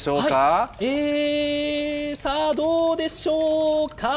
えー、さあ、どうでしょうか。